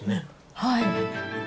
はい。